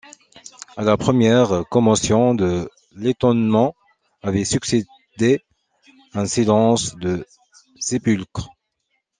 À la première commotion de l’étonnement avait succédé un silence de sépulcre.